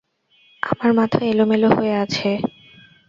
আমার মাথা এলোমেলো হয়ে আছে।